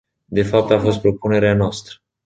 De fapt, a fost propunerea noastră.